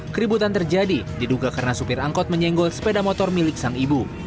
keributan terjadi diduga karena supir angkot menyenggol sepeda motor milik sang ibu